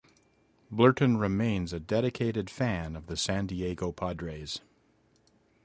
Blurton remains a dedicated fan of the San Diego Padres.